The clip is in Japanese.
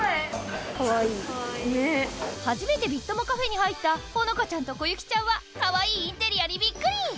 初めてビッ友カフェに入ったホノカちゃんとコユキちゃんはかわいいインテリアにビックリ！